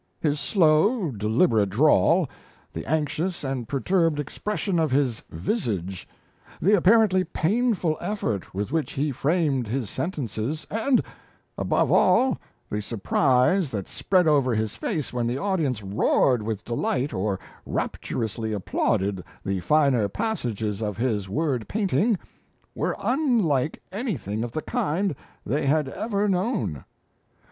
His slow, deliberate drawl, the anxious and perturbed expression of his visage, the apparently painful effort with which he framed his sentences, and, above all, the surprise that spread over his face when the audience roared with delight or rapturously applauded the finer passages of his word painting, were unlike anything of the kind they had ever known.